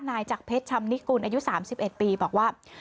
จากเพชรชำนิกุลอายุ๓๑ปีบอกว่า